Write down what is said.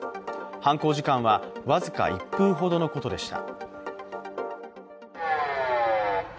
犯行時間は僅か１分ほどのことでした。